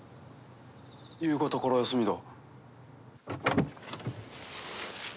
夕方から休みだ。